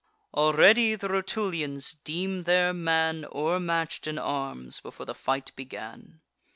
Already the Rutulians deem their man O'ermatch'd in arms, before the fight began.